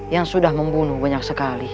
yang sudah membunuh banyak sekali